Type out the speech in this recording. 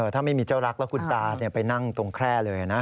ถ้าไม่มีเจ้ารักแล้วคุณตาไปนั่งตรงแคร่เลยนะ